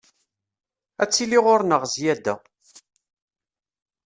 Ad tili ɣur-neɣ zzyada.